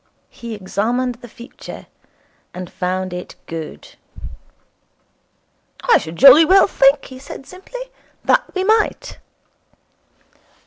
He examined the future, and found it good. 'I should jolly well think,' he said simply, 'that we might.'